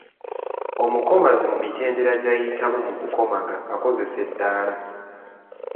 Omukomazi mu mitendera gy’ayitamu mu kukomaga akozesa eddaala.